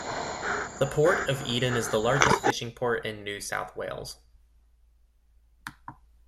The Port of Eden is the largest fishing port in New South Wales.